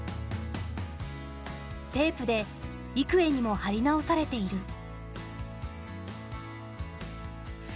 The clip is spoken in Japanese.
テープで幾重にも貼り直されている。